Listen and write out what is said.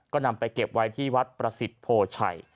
ก็นำไปเก็บไว้ที่วัดประสิทธิ์โพชัย